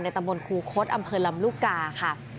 ในตำรวจครูคสอำเภอลำลูกกา